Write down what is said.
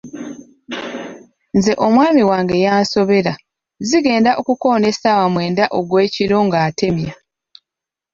Nze omwami wange yansobera, zigenda okukoona essaawa mwenda ogw’ekiro ng’atemya.